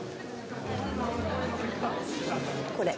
これ。